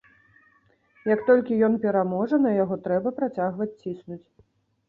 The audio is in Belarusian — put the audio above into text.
Як толькі ён пераможа, на яго трэба працягваць ціснуць.